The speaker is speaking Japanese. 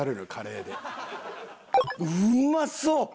うまそう！